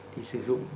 thì sử dụng